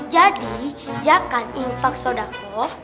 jadi zakat infak saudako